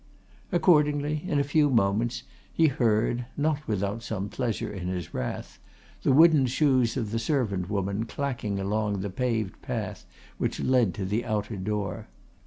Accordingly, in a few moments, he heard, not without some pleasure in his wrath, the wooden shoes of the servant woman clacking along the paved path which led to the outer door.